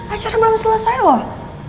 acara belum selesai loh